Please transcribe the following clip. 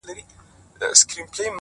• هره شېبه؛